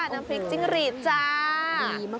น้ำพริกจิ้งหรีดจ้า